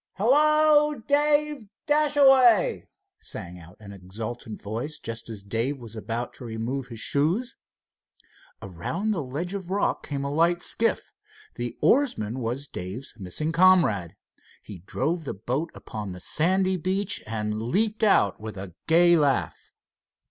"Hello, Dave Dashaway!" sang out an exultant voice, just as Dave was about to remove his shoes. Around the ledge of rock came a light skiff. The oarsman was Dave's missing comrade. He drove the boat upon the sandy beach and leaped out with a gay laugh.